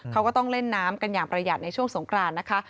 เขาก็ต้องเล่นน้ำกันอย่างประหยัดในช่วงสงครานนะคะ